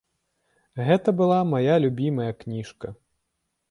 Гэта была мая любімая кніжка.